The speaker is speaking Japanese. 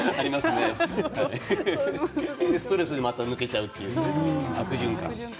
ストレスで、また抜けちゃうという悪循環。